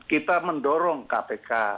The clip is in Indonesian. kita mendorong kpk